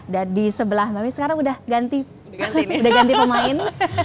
dan di sebelah mbak mizani sekarang sudah ganti pemain